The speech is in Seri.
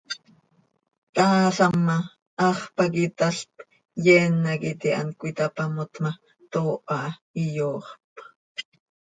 Taalam ma, hax pac italp, yeen hac it hant cöitapamot ma, tooha, iyooxpx.